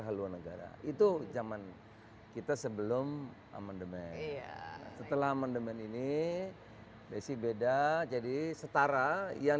haluan negara itu zaman kita sebelum amandemen setelah amandemen ini desi beda jadi setara yang